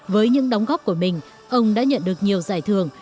với những đóng góp của mình ông đã nhận được nhiều giải thưởng